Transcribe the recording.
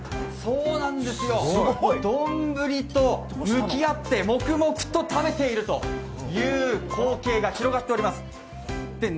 丼と向き合って、黙々と食べているという光景が広がっております。